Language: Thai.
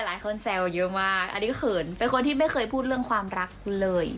แซวเยอะมากอันนี้ก็เขินเป็นคนที่ไม่เคยพูดเรื่องความรักคุณเลย